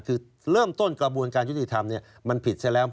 คือเริ่มต้นกระบวนการยุติธรรมมันผิดซะแล้ว